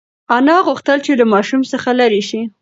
انا غوښتل چې له ماشوم څخه لرې شي.